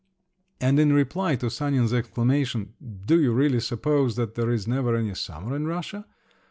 And in reply to Sanin's exclamation, "Do you really suppose that there is never any summer in Russia?"